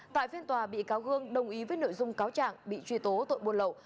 tại phiên tòa bị cáo hương đồng ý với nội dung cáo trạng bị truy tố tội buôn lậu